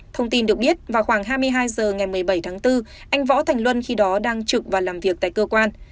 thông tin được biết vào khoảng hai mươi hai h ngày một mươi bảy tháng bốn anh võ thành luân khi đó đang trực và làm việc tại cơ quan